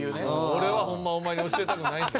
俺はホンマはお前に教えたくない。